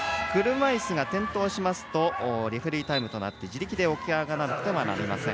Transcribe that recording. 車いすが転倒しますとレフェリータイムとなって自力で起き上がらなくてはなりません。